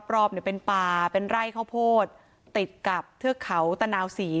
รอบเนี่ยเป็นป่าเป็นไร่ข้าวโพดติดกับเทือกเขาตะนาวศรี